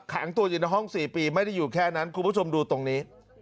ขังตัวอยู่ในห้อง๔ปีไม่ได้อยู่แค่นั้นคุณผู้ชมดูตรงนี้